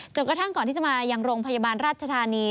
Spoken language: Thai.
กระทั่งก่อนที่จะมายังโรงพยาบาลราชธานี